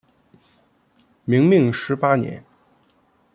明命十八年。